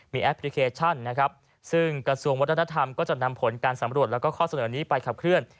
แอปพลิเคชันนะครับซึ่งกระทรวงวัฒนธรรมก็จะนำผลการสำรวจแล้วก็ข้อเสนอนี้ไปขับเคลื่อน